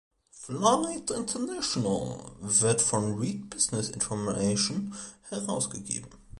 "Flight International" wird von Reed Business Information herausgegeben.